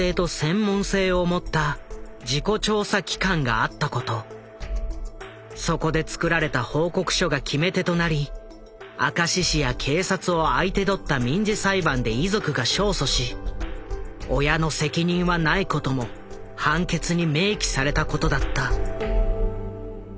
伝えたのは明石にそこで作られた報告書が決め手となり明石市や警察を相手取った民事裁判で遺族が勝訴し親の責任はないことも判決に明記されたことだった。